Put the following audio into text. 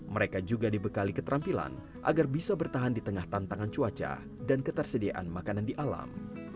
mereka juga dibekali keterampilan agar bisa bertahan di tengah tantangan cuaca dan ketersediaan makanan di alam